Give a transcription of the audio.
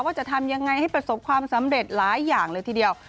ว่าจะทำยังไงให้ประสบความสำเร็จหลายอย่างเลยทีเดียว